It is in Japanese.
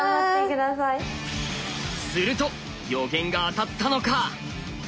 ⁉すると予言が当たったのか。